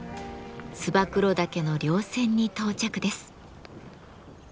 燕岳の稜線に到着です。